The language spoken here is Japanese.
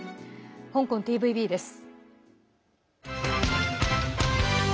香港ＴＶＢです。